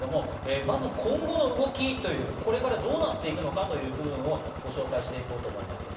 まず、今後の動き、これからどうなっていくのかという部分をご紹介して行こうと思います。